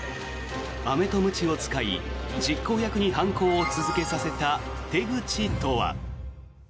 アメとムチを使い、実行役に犯行を続けさせた手口とは。